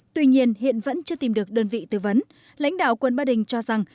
tuy nhiên hiện vẫn chưa tìm được đơn vị tư vấn lãnh đạo quận ba đình cho rằng